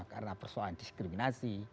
karena persoalan diskriminasi